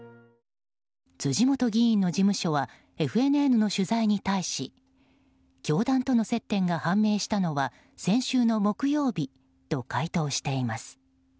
辻元議員の事務所はＦＮＮの取材に対し教団との接点が判明したのは先週の木曜日と回答しています。